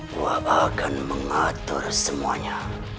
gua akan mengatur semuanya